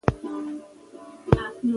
غرونه په ونو ښه ښکاري